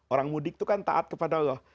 orang mudik itu kan taat kepada allah